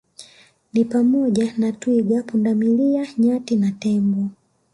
ni pamoja na twiga pundamilia nyati tembo